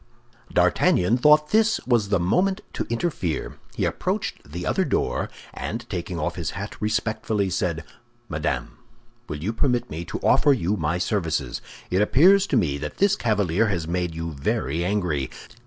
D'Artagnan thought this was the moment to interfere. He approached the other door, and taking off his hat respectfully, said, "Madame, will you permit me to offer you my services? It appears to me that this cavalier has made you very angry.